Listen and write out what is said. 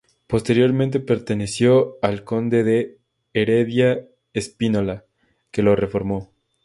Posteriormente perteneció al conde de Heredia-Spínola, que lo reformó.